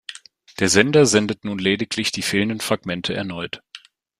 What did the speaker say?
Der Sender sendet nun lediglich die fehlenden Fragmente erneut.